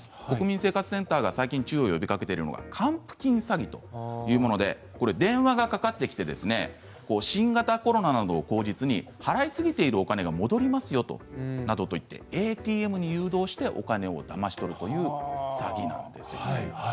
国民生活センターが最近、注意を呼びかけているのが還付金詐欺というもので電話がかかってきて新型コロナなどを口実に払いすぎているお金が戻りますよなどと言ってＡＴＭへ誘導してお金をだまし取るという詐欺なんです。